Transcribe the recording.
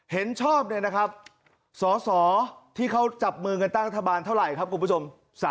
เหนชอบสอที่เขาจับมือกันต้านรักษาบาลเท่าไหร่ครับคุณผู้ชม